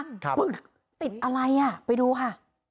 ปึกติดอะไรอ่ะไปดูค่ะ